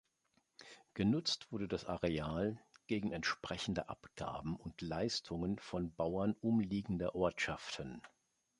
Genutzt wurde das Areal gegen entsprechende Abgaben und Leistungen von Bauern umliegender Ortschaften.